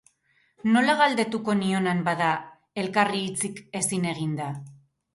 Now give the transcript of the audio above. Nola galdetuko nionan bada, elkarri hitzik ezin eginda?